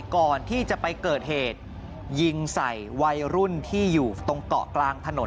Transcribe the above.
ก่อนที่จะไปเกิดเหตุยิงใส่วัยรุ่นที่อยู่ตรงเกาะกลางถนน